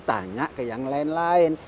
tanya ke yang lain lain